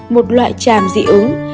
một loại chàm dị ứng